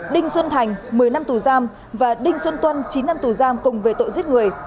đinh xuân thành một mươi năm tù giam và đinh xuân tuân chín năm tù giam cùng về tội giết người